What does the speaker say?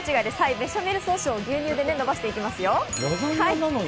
ベシャメルソースを牛乳でのばしていきますよ。